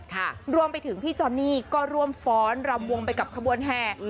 ค่ะรวมไปถึงพี่จอนนี่ก็ร่วมฟ้อนรำวงไปกับขบวนแห่